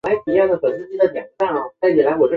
鲫碘泡虫为碘泡科碘泡虫属的动物。